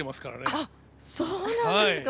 あっそうなんですか。